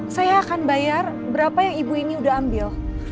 saya akan bayar berapa yang ibu ini udah ambil